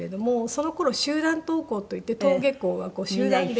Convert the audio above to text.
その頃集団登校といって登下校は集団で。